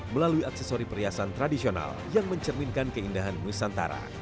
melalui aksesori perhiasan tradisional yang mencerminkan keindahan nusantara